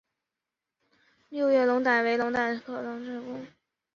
六叶龙胆为龙胆科龙胆属的植物。